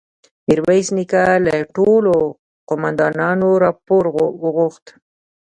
ميرويس نيکه له ټولو قوماندانانو راپور وغوښت.